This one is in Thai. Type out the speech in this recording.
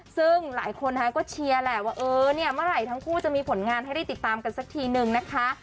ซึ่งหลายคนก็เชียร์แหละว่าเออเนี่ยเมื่อไหร่ทั้งคู่จะมีผลงานให้ได้ติดตามกันสักทีนึงนะคะ